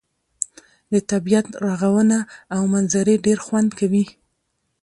د طبيعت ږغونه او منظرې ډير خوند کوي.